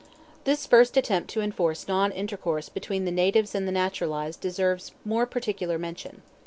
This first attempt to enforce non intercourse between the natives and the naturalized deserves more particular mention.